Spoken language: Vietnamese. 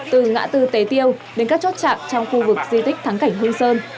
từ ngã tư tế tiêu đến các chốt chạm trong khu vực di tích thắng cảnh hương sơn